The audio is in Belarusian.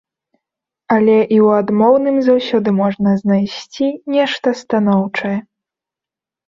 Але і ў адмоўным заўсёды можна знайсці нешта станоўчае.